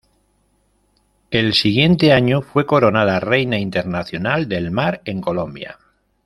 El siguiente año fue coronada Reina Internacional del Mar en Colombia.